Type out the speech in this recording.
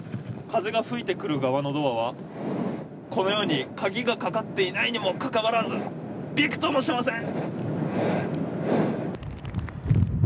風が吹いてくる側のドアは、このように鍵がかかっていないにもかかわらず、びくともしません。